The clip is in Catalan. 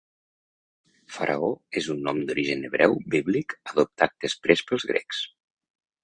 Faraó és un nom d'origen hebreu, bíblic, adoptat després pels grecs.